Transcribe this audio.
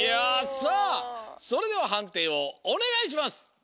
さあそれでははんていをおねがいします。